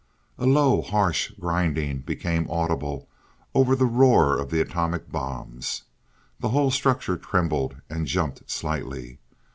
A low, harsh grinding became audible over the roar of the atomic bombs. The whole structure trembled, and jumped slightly.